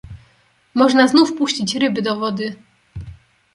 "Można znów puścić ryby do wody."